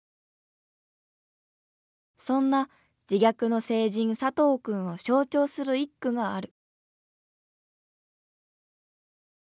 そんな自虐の聖人・佐藤くんを象徴する一句がある。